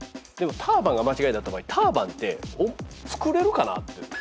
でもターバンが間違いだった場合ターバンってつくれるかなって。